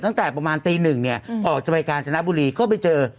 ตั้งแต่ประมาณตีหนึ่งเนี่ยออกจะไปกาญจนบุรีก็ไปเจอ